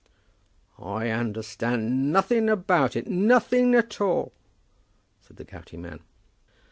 "I understand nothing about it, nothing at all," said the gouty man.